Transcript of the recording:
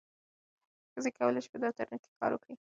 ښځې کولی شي په دفترونو کې کار وکړي.